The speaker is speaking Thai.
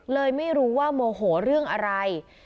เลยไม่รู้ว่าโมโหเรื่องอะไร